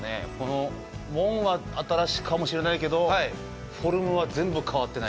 門は新しいかもしれないけどフォルムは全部変わってない。